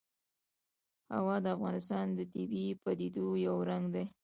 هوا د افغانستان د طبیعي پدیدو یو رنګ دی.